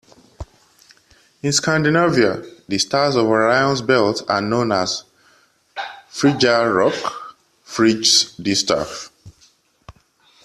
In Scandinavia, the stars of Orion's belt are known as "Friggjar rockr", "Frigg’s distaff".